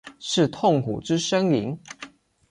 是痛苦之呻吟？